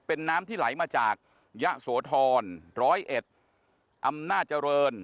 เป็นน้ำที่ไหลมาจากยะโสธร๑๐๑อำนาจเจริญ